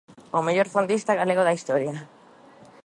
O mellor fondista galego da historia.